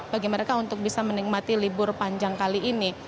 bagi mereka untuk bisa menikmati libur panjang kali ini